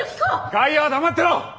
外野は黙ってろ！